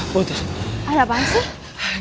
putri ada apaan sih